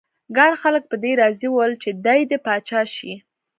ګڼ خلک په دې راضي ول چې دی دې پاچا شي.